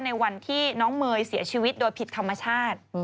ในวันที่น้องเมย์เสียชีวิตโดยผิดธรรมชาติ